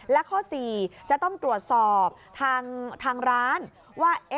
และข้อ๔จะต้องตรวจสอบทางร้านว่า